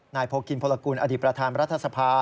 โพกินพลกุลอดีตประธานรัฐสภา